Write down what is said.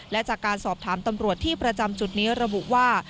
และจากการสอบถามตำรวจที่ประจำจุดนี้ระบุว่า